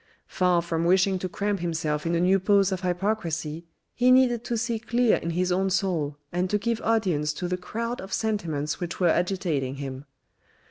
Far from wishing to cramp himself in a new pose of hypocrisy he needed to see clear in his own soul, and to give audience to the crowd of sentiments which were agitating him.